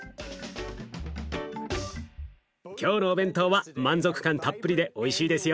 今日のお弁当は満足感たっぷりでおいしいですよ。